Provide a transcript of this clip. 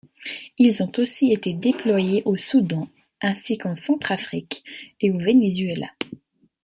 Ils ont aussi été déployés au Soudan, ainsi qu'en Centrafrique et au Venezuela.